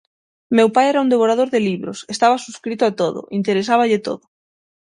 Meu pai era un devorador de libros, estaba subscrito a todo, interesáballe todo.